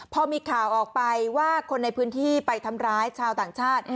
พอมีข่าวออกไปว่าคนในพื้นที่ไปทำร้ายชาวต่างชาติ